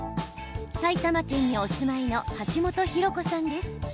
埼玉県にお住まいの橋本博子さんです。